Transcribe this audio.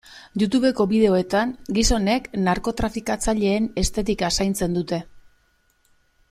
Youtubeko bideoetan gizonek narkotrafikatzaileen estetika zaintzen dute.